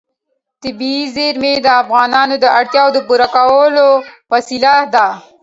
طبیعي زیرمې د افغانانو د اړتیاوو د پوره کولو وسیله ده.